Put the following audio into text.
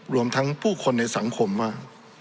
รวมทั้งผู้คนในสังคมว่า